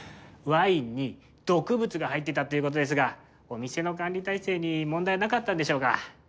ワインに毒物が入っていたという事ですがお店の管理体制に問題はなかったんでしょうか？